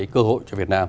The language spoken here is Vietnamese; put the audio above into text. cơ hội cho việt nam